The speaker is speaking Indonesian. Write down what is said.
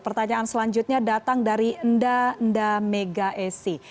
pertanyaan selanjutnya datang dari nda nda megaesi